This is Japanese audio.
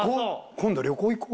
今度旅行行こう。